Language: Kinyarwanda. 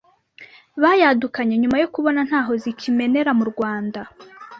bayadukanye nyuma yo kubona ntaho zikimenera mu Rwanda